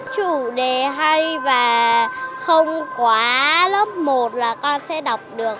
chủ đề hay và không quá lớp một là con sẽ đọc được